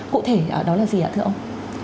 cụ thể đó là gì ạ thưa ông